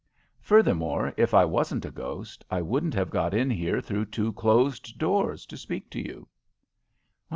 Furthermore, if I wasn't a ghost I couldn't have got in here through two closed doors to speak to you."